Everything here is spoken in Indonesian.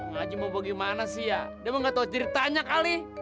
ngaji mau bagaimana sih ya dia mau gak tau ceritanya kali